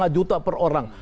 lima juta per orang